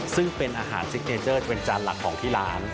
ซึ่งเป็นอาหารซิกเนเจอร์เป็นจานหลักของที่ร้าน